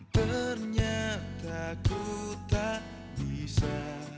ternyata ku tak bisa